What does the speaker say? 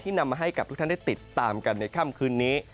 นำมาให้กับทุกท่านได้ติดตามกันในค่ำคืนนี้